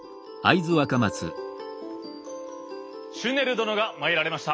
シュネル殿が参られました。